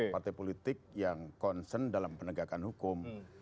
partai politik yang concern dalam penegakan hukum